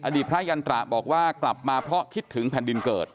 ดีพระยันตระบอกว่ากลับมาเพราะคิดถึงแผ่นดินเกิด